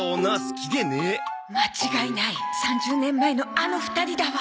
間違いない３０年前のあの２人だわ